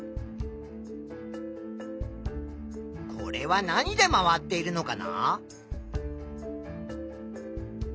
これは何で回っているのかな？